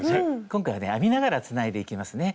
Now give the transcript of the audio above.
今回は編みながらつないでいきますね。